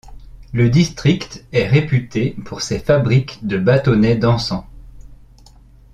Le district est réputé pour ses fabriques de bâtonnets d'encens.